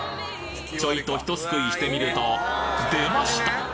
ちょいとひとすくいしてみると出ました！